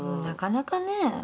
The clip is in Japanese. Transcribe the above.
なかなかねぇ。